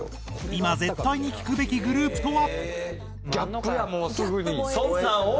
今絶対に聴くべきグループとは？